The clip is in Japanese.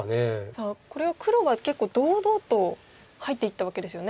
さあこれは黒は結構堂々と入っていったわけですよね。